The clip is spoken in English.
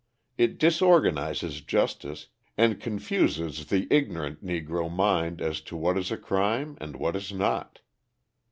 It disorganises justice and confuses the ignorant Negro mind as to what is a crime and what is not.